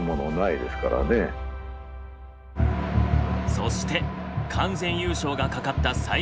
そして完全優勝がかかった最終節。